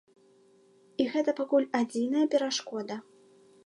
І гэта пакуль адзіная перашкода.